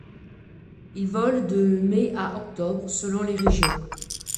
Il vole de mai à octobre selon les régions.